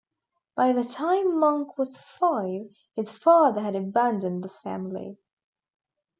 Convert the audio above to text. By the time Monk was five, his father had abandoned the family.